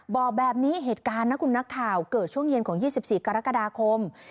บอกแบบนี้เหตุการณ์นะคุณนักข่าวเกิดช่วงเย็นของ๒๔กรกฎาคม